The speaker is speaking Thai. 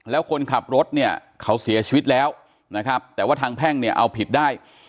แล้วคนขับรถเนี่ยเขาเสียชีวิตแล้วนะครับแต่ว่าทางแพ่งเนี่ยเอาผิดได้